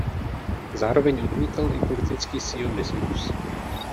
Zároveň odmítal i politický sionismus.